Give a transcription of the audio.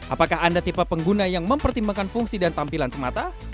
apakah anda tipe pengguna yang mempertimbangkan fungsi dan tampilan semata